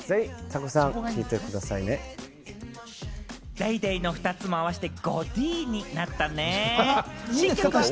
『ＤａｙＤａｙ．』の２つも合わせて５Ｄになったね。